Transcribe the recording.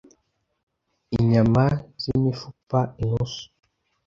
inyama z’imifupa inusu